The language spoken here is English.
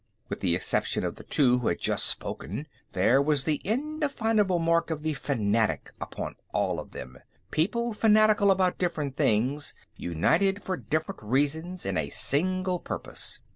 With the exception of the two who had just spoken, there was the indefinable mark of the fanatic upon all of them people fanatical about different things, united for different reasons in a single purpose.